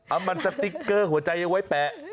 เอามันสติ๊กเกอร์หัวใจยังไว้แปะ